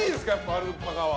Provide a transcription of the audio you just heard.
アルパカは。